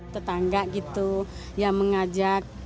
tetangga gitu ya mengajak